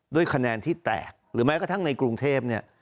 ด้วยคะแนนที่แตกหรือแม้กระทั่งในกรุงเทพเนี่ย